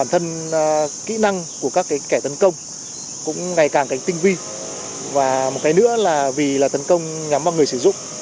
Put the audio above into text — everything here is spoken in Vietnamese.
tấn công nhắm vào người sử dụng